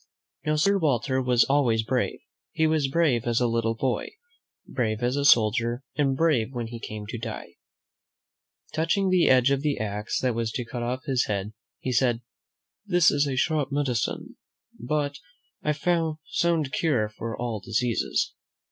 Now, Sir Walter was always brave. He was brave as a little boy, brave as a soldier, and brave when he came to die. Touching the edge of the axe that was to cut off his head, he said, "This is a sharp medicine, but a sound cure for all diseases."